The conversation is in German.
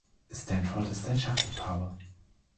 Stanford ist ein Schachliebhaber.